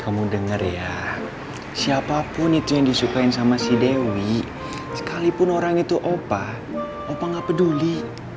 kamu dengar ya siapapun itu yang disukain sama si dewi sekalipun orang itu opa opa gak peduli